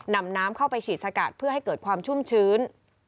นำน้ำเข้าไปฉีดสกัดเพื่อให้เกิดความชุ่มชื้น